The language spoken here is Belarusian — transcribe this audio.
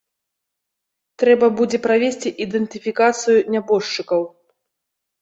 Трэба будзе правесці ідэнтыфікацыю нябожчыкаў.